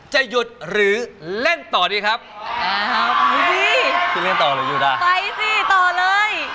จะหยุดหรือเล่นต่อดีครับเออหยุดอ่ะไปสิต่อเลย